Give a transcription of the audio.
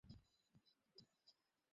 সন্দেহ নেই যে, তারা যুদ্ধবাজ ছিল।